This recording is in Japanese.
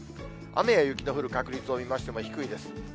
雨や雪の降る確率を見ましても低いです。